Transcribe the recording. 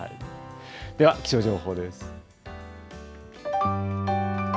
では気象情報です。